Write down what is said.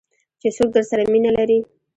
چې څوک درسره مینه لري .